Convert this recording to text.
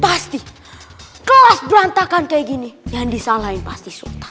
pasti kelas berantakan kayak gini yang disalahin pasti suka